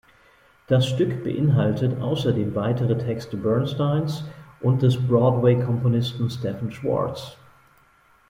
Das Stück beinhaltet außerdem weitere Texte Bernsteins und des Broadway-Komponisten Stephen Schwartz.